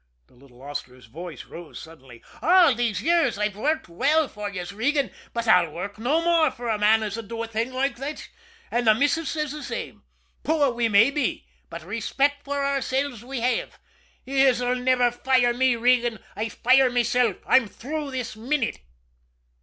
The little hostler's voice rose suddenly. "All these years I've worked well for yez, Regan, but I'll work no more for a man as 'ud do a thing loike thot an' the missus ses the same. Poor we may be, but rayspect for oursilves we have. Yez'll niver fire me, Regan I fire mesilf. I'm through this minute!"